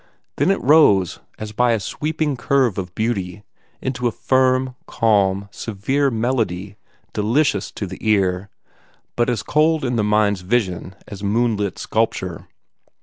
Then it rose as by a sweeping curve of beauty, into a firm, calm, severe melody, delicious to the ear, but as cold in the mind's vision as moonlit sculpture.